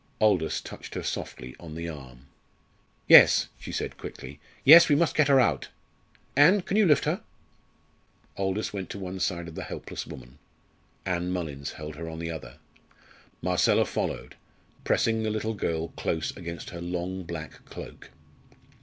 Aldous touched her softly on the arm. "Yes," she said quickly, "yes, we must get her out. Ann, can you lift her?" Aldous went to one side of the helpless woman: Ann Mullins held her on the other. Marcella followed, pressing the little girl close against her long black cloak.